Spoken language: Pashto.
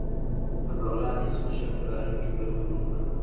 د بغلان هیڅ مشر په لاریون کې ګډون ونکړ